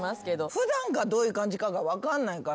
普段がどういう感じかが分かんないから。